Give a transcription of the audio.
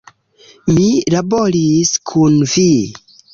Mi laboris kun vi!